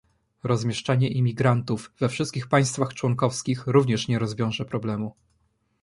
Rozmieszczanie imigrantów we wszystkich państwach członkowskich również nie rozwiąże problemu